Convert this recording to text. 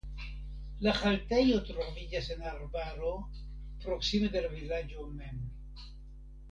La haltejo troviĝas en arbaro proksime de la vilaĝo mem.